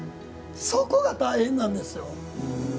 そこが大変なんですよ。